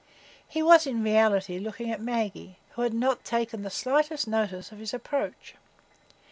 He was in reality looking at Maggie who had not taken the slightest notice of his approach.